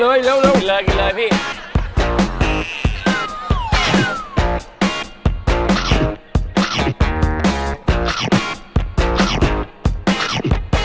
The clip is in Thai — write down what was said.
เออกินเลยเร็วกินเลยพี่